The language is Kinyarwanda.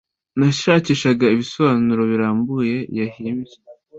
nashakisha ibisobanuro birambuye yahimbye